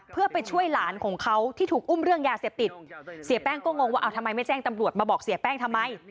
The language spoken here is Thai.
เพื่อไปช่วยหลานของเขาที่ถูกอุ้มเรื่องยาเสพติดเสียแป้งก็งงว่าเอาทำไมไม่แจ้งตำรวจมาบอกเสียแป้งทำไม